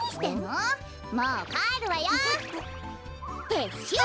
てっしゅう！